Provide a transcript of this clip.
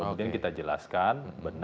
kemudian kita jelaskan